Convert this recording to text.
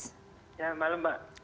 ya malam mbak